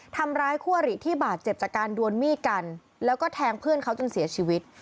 ทำร้ายคู่อริที่บาดเจ็บจากการดวนมีดกันแล้วก็แทงเพื่อนเขาจนเสียชีวิต